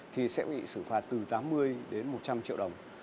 thì sẽ bị xử phạt từ tám mươi đến một trăm linh triệu đồng